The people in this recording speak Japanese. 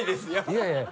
いやいや。